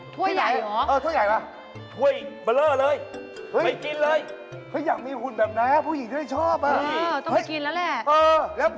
แต่ว่ามีหรือเปล่า